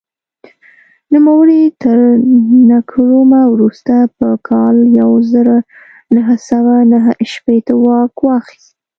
نوموړي تر نکرومه وروسته په کال یو زر نهه سوه نهه شپېته واک واخیست.